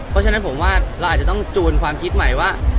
เพราะฉะนั้นผมว่าเราอาจจะต้องจูนความคิดใหม่ว่า